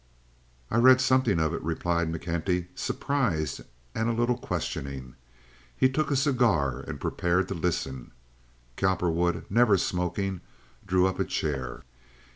"I read something of it," replied McKenty, surprised and a little questioning. He took a cigar and prepared to listen. Cowperwood, never smoking, drew up a chair.